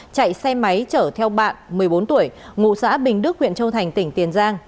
chạy xe máy chở theo bạn một mươi bốn tuổi ngụ xã bình đức huyện châu thành tỉnh tiền giang